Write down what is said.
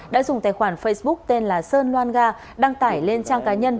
đã dùng tài khoản facebook tên là sơn loan ga đăng tải lên trang cá nhân